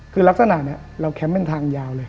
คือลักษณะนี้เราแคมป์เป็นทางยาวเลย